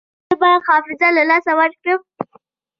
ایا زه به حافظه له لاسه ورکړم؟